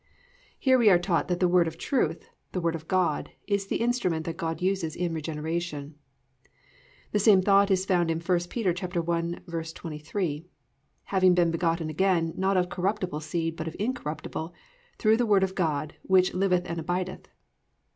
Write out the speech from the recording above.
"+ Here we are taught that the Word of Truth, the Word of God, is the instrument that God uses in regeneration. The same thought is found in 1 Pet. 1:23, +"Having been begotten again, not of corruptible seed, but of incorruptible, through the word of God, which liveth and abideth."